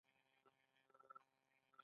انجینران په موډل جوړونه تکیه کوي.